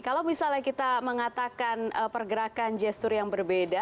kalau misalnya kita mengatakan pergerakan gestur yang berbeda